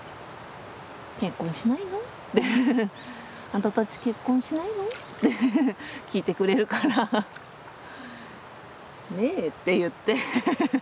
「あんたたち結婚しないの？」って聞いてくれるから「ねえ」って言って。